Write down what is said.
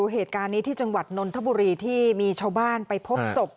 เหตุการณ์นี้ที่จังหวัดนนทบุรีที่มีชาวบ้านไปพบศพ